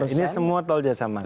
ini semua tol jasa marga